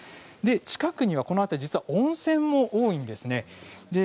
近くにはこの辺り温泉も多いんです。